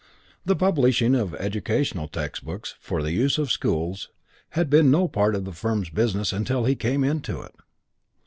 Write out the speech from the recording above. The publishing of educational textbooks "for the use of schools" had been no part of the firm's business until he came into it.